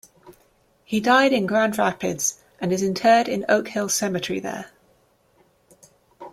He died in Grand Rapids and is interred in Oak Hill Cemetery there.